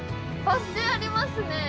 バス停ありますね。